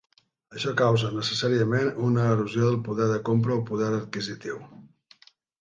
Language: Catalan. Això causa, necessàriament, una erosió del poder de compra o poder adquisitiu.